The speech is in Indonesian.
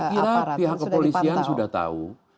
saya kira pihak kepolisian sudah tahu